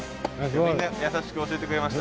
みんな優しく教えてくれました